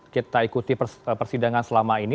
kita ikuti persidangan selama ini